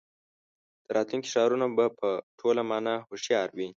د راتلونکي ښارونه به په ټوله مانا هوښیار وي.